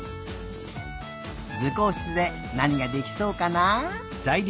ずこうしつでなにができそうかな？